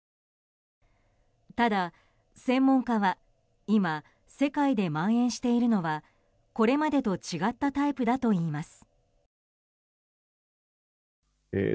ただ専門家は今、世界でまん延しているのはこれまでと違ったタイプだといいます。